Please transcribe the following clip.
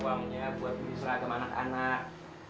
uangnya buat beli seragam anak anak